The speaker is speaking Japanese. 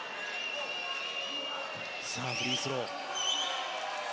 フリースロー。